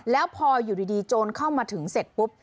แล้วพออยู่ดีโจรเข้ามาถึงเสร็จปุ๊บ